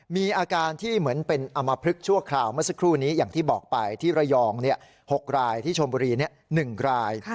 มีอาการที่เหมือนเป็นอมพลึกชั่วคราวเมื่อสักครู่นี้อย่างที่บอกไปที่ระยอง๖รายที่ชมบุรี๑ราย